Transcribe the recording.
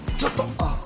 あっ。